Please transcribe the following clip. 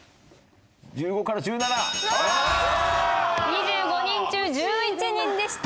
２５人中１１人でした。